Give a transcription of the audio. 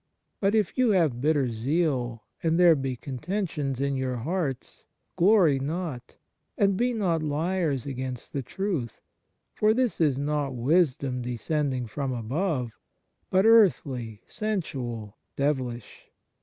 But if you have bitter zeal, and there be contentions in your hearts; glory not, and be not liars against the truth. For this is not wisdom, descending from above, but earthly, sensual, devilish.